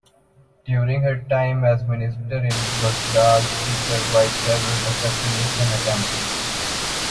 During her time as minister in Baghdad she survived several assassination attempts.